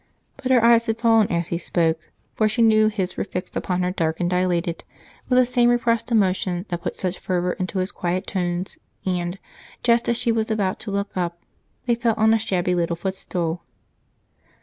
But her eyes had fallen as he spoke, for she knew his were fixed upon her, dark and dilated, with the same repressed emotion that put such fervor into his quiet tones, and just as she was about to look up, they fell on a shabby little footstool.